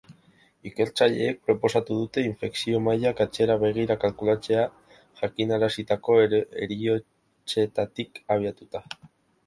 Ikertzaileek proposatu dute infekzio-mailak atzera begira kalkulatzea, jakinarazitako heriotzetatik abiatuta.